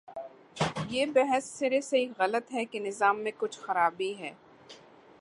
یہ بحث سرے سے ہی غلط ہے کہ نظام میں کچھ خرابی ہے۔